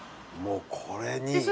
もうこれに。